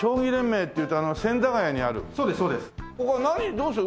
どうする？